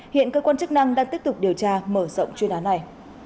hiện cơ quan chức năng đang tiếp tục điều tra mở rộng chuyên án này